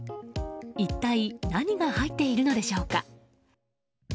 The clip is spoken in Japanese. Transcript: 一体何が入っているのでしょうか。